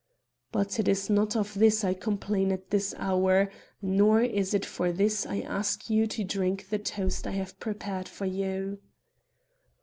"But it is not of this I complain at this hour, nor is it for this I ask you to drink the toast I have prepared for you."